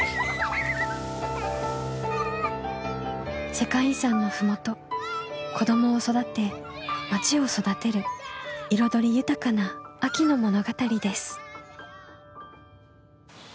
世界遺産の麓子どもを育てまちを育てる彩り豊かな秋の物語です。